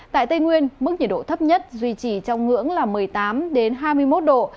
tại tây nguyên mức nhiệt độ thấp nhất duy trì trong ngưỡng một mươi tám đến ba mươi năm độ